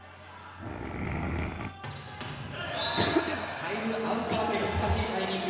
タイムアウト明け難しいタイミング。